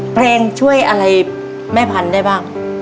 เพลงช่วยอะไรแม่พันธุ์ได้บ้าง